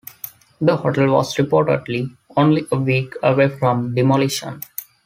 The hotel was reportedly only a week away from demolition.